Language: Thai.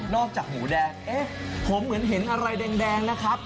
จากหมูแดงเอ๊ะผมเหมือนเห็นอะไรแดงนะครับ